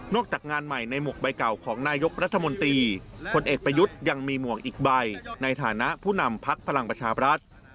จากงานใหม่ในหมวกใบเก่าของนายกรัฐมนตรีพลเอกประยุทธ์ยังมีหมวกอีกใบในฐานะผู้นำพักพลังประชาบรัฐ